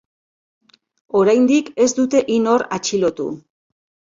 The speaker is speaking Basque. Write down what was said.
Oraindik ez dute inor atxilotu.